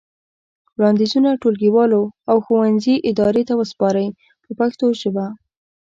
وړاندیزونه ټولګیوالو او ښوونځي ادارې ته وسپارئ په پښتو ژبه.